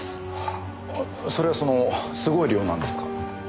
あそれはそのすごい量なんですか？